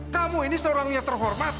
kamu ini seorang yang terhormat